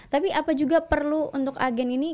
tapi apa juga perlu untuk agen ini